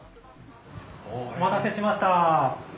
お待たせしました。